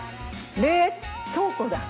冷凍庫だ。